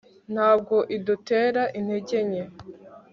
ntabwo idutera intege nke